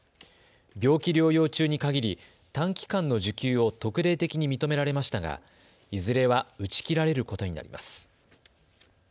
病気療養中に限り短期間の受給を特例的に認められましたがいずれは打ち切られることになります。